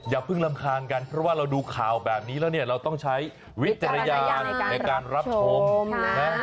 อย่าเพิ่งรำคาญกันเพราะว่าเราดูข่าวแบบนี้แล้วเนี่ยเราต้องใช้วิจารณญาณในการรับชมนะ